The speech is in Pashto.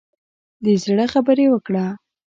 د زړه خبرې وکړه.